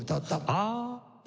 ああ。